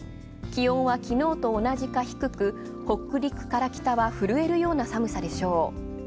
気温はきのうと同じか低く、北陸から北は震えるような寒さでしょう。